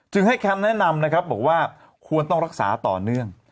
ให้แคมป์แนะนำนะครับบอกว่าควรต้องรักษาต่อเนื่อง